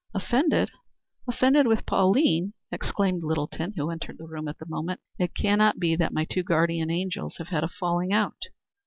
"Offended! Offended with Pauline," exclaimed Littleton, who entered the room at the moment. "It cannot be that my two guardian angels have had a falling out."